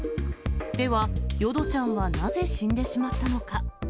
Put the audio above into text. では、淀ちゃんはなぜ死んでしまったのか。